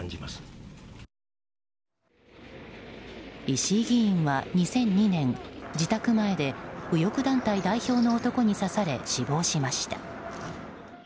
石井議員は２００２年自宅前で右翼団体代表の男に刺され、死亡しました。